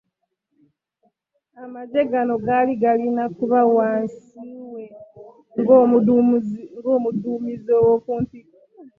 Amagye gano gaali galina okuba wansi we ng'omuduumizi ow'okuntikko